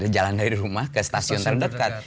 jalan dari rumah ke stasiun terdekat